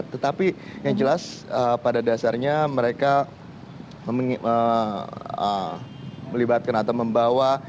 tetapi yang jelas pada dasarnya mereka melibatkan atau membawa